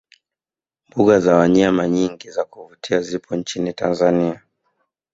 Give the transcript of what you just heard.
mbuga za wanyama nyingi za kuvutia zipo nchini tanzania